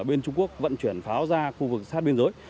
bên trung quốc vận chuyển pháo ra khu vực sát biên giới